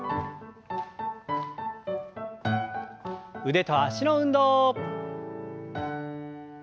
腕と脚の運動。